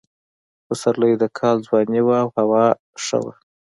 پسرلی د کال ځواني وه او هوا ښه وه.